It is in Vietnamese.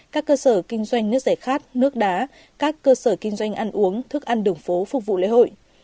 các cơ sở kinh doanh nước giải khát nước đá các cơ sở kinh doanh ăn uống thức ăn đường phố phục vụ lễ hội